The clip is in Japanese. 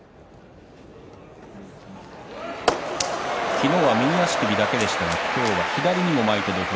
昨日は右足首だけでしたが今日は左も巻いています